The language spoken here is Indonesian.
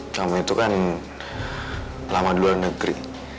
kamu itu kan lama di luar negeri